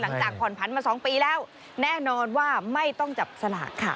หลังจากผ่อนพันธุ์มา๒ปีแล้วแน่นอนว่าไม่ต้องจับสลากค่ะ